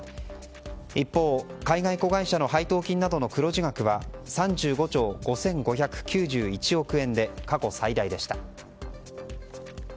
一方、海外子会社の配当金などの黒字額は３５兆５５９１億円で過去最大でした。